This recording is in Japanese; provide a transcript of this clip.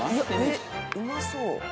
うまそう。